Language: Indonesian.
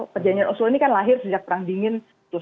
berjaselah ini lahir sejak perang dingin